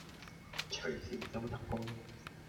隨時收得工